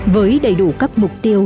với đầy đủ các mục tiêu